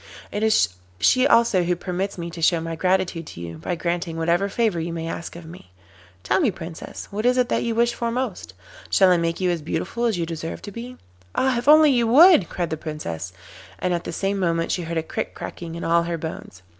It is she also who permits me to show my gratitude to you by granting whatever favour you may ask of me. Tell me, Princess, what is it that you wish for most? Shall I make you as beautiful as you deserve to be?' 'Ah, if you only would!' cried the Princess, and at the same moment she heard a crick cracking in all her bones.